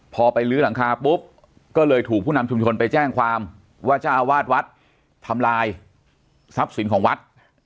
พอไปลื้อหลังคาปุ๊บก็เลยถูกผู้นำชุมชนไปแจ้งความว่าเจ้าอาวาสวัดทำลายทรัพย์สินของวัด